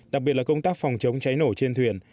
đặc biệt là công tác phòng chống cháy nổ trên thuyền